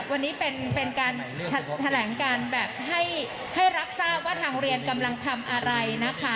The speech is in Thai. วันนี้เป็นการแถลงการแบบให้รับทราบว่าทางเรียนกำลังทำอะไรนะคะ